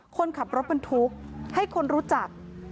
คนขับรถบรรทุกให้คนรู้จัก